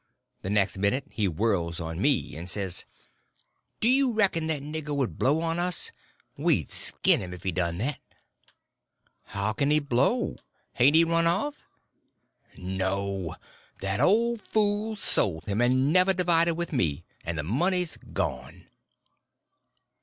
The next minute he whirls on me and says: "Do you reckon that nigger would blow on us? We'd skin him if he done that!" "How can he blow? Hain't he run off?" "No! That old fool sold him, and never divided with me, and the money's gone."